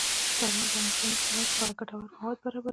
چار مغز د افغانستان د صنعت لپاره ګټور مواد برابروي.